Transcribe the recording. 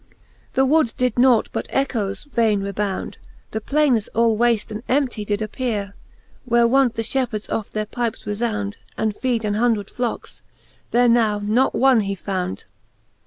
The woods did nought but ecchoes vaine rebound ; The plaines all wafte and emptie did appeare : Where wont the fhepheards oft their pypes refound, And feed an hundred flocks, there now not one he found.